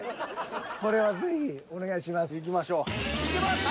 これは是非お願いします。